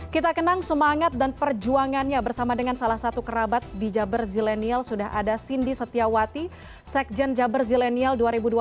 kita kenang semangat dan perjuangannya bersama dengan salah satu kerabat di jabar zilenial sudah ada cindy setiawati sekjen jabar zilenial dua ribu dua puluh